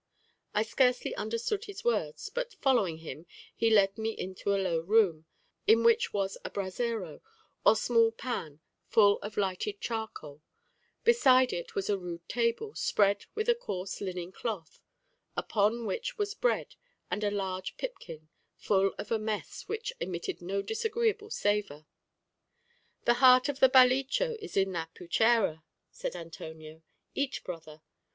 I scarcely understood his words, but following him, he led me into a low room, in which was a brasero, or small pan full of lighted charcoal; beside it was a rude table, spread with a coarse linen cloth, upon which was bread and a large pipkin full of a mess which emitted no disagreeable savor. "The heart of the balichó is in that puchera," said Antonio; "eat, brother."